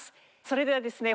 それではですね